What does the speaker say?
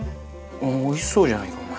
おいしそうじゃないかお前。